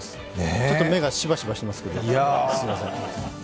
ちょっと目がしばしばしてますけども、すいません。